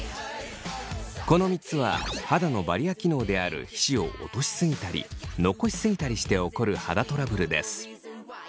この３つは肌のバリア機能である皮脂を落としすぎたり残しすぎたりして起こる肌トラブルです。